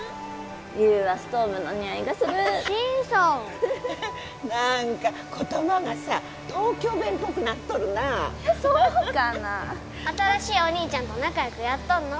優はストーブのにおいがするしんさ何か言葉がさ東京弁っぽくなっとるなそうかな新しいお兄ちゃんと仲良くやっとんの？